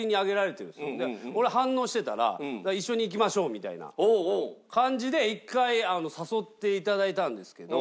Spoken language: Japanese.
俺反応してたら一緒に行きましょうみたいな感じで１回誘っていただいたんですけど。